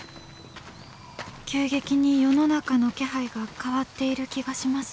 急激に世の中の気配が変わっている気がします。